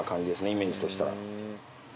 イメージとしては。